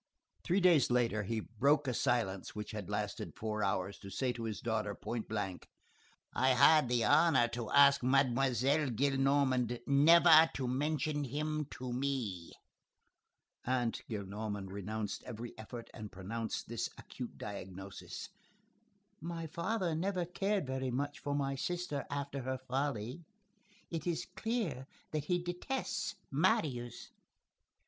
Three days later he broke a silence which had lasted four hours, to say to his daughter point blank:— "I had the honor to ask Mademoiselle Gillenormand never to mention him to me." Aunt Gillenormand renounced every effort, and pronounced this acute diagnosis: "My father never cared very much for my sister after her folly. It is clear that he detests Marius."